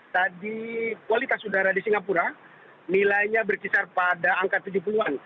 tadi kualitas udara di singapura nilainya berkisar pada angka tujuh puluh an